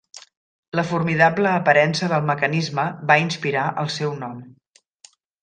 La formidable aparença del mecanisme va inspirar el seu nom.